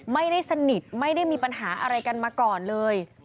ไม่ได้สนิทไม่ได้มีปัญหาอะไรกันมาก่อนเลย